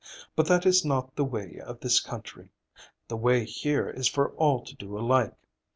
But that is not the way of this country. The way here is for all to do alike.